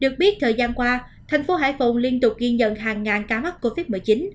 được biết thời gian qua thành phố hải phòng liên tục ghi nhận hàng ngàn ca mắc covid một mươi chín